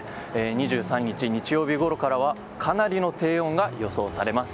２３日日曜日ごろからはかなりの低温が予想されます。